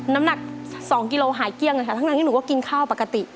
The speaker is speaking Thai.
น้ำหนัก๒กิโลหายเกลี้ยงเลยค่ะทั้งที่หนูก็กินข้าวปกติ